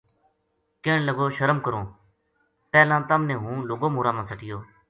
کہن لگو شرم کروں پہلاں تَم نے ہوں لُگا مورا ما سَٹیو